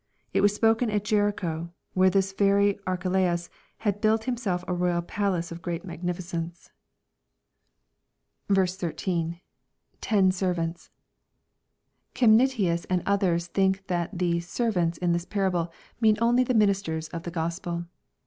It was spoken at Jericho, where this very Ai chelaus had built himself a royal pal iM3e of great raagniGcence. 804 EXPOSITORY THOUGHTS. 13. — [^i servants.'] Chemnitius and others think that the " ser vanta" in this parable mean only the ministers of the Gospel.